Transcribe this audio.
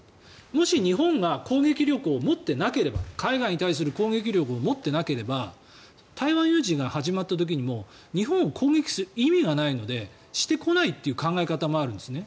もし日本が海外に対する攻撃力を持っていなければ台湾有事が始まった時に日本を攻撃する意味がないのでしてこないという考え方もあるんですね。